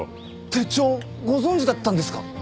手帳ご存じだったんですか！？